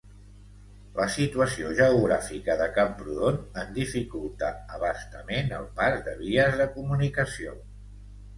La situació geogràfica de Camprodon en dificulta a bastament el pas de vies de comunicació.